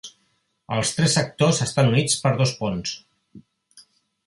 Els tres sectors estan units per dos ponts.